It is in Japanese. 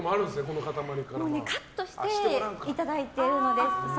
カットしていただいてるので。